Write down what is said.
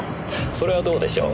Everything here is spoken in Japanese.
それはどうでしょう。